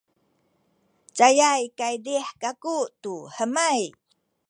cayay kaydih kaku tu hemay